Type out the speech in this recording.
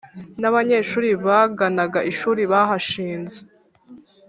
n’abanyeshuri baganaga ishuri bahashinze.